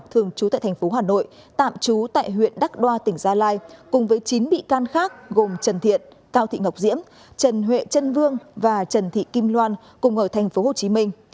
trường trú tại thành phố hà nội tạm trú tại huyện đắc đoa tỉnh gia lai cùng với chín bị can khác gồm trần thiện cao thị ngọc diễm trần huệ trân vương và trần thị kim loan cùng ở thành phố hồ chí minh